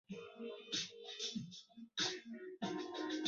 由蜂蜜和杏仁制作的牛轧糖是当地的特产。